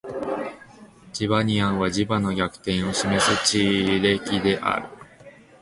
チバニアンは磁場の逆転を示す地層である